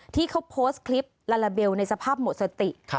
ที่เขาโพสต์คลิปลาลาเบลในสภาพหมดสติ